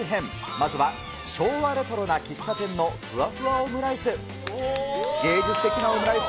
まずは昭和レトロな喫茶店のふわふわオムライス。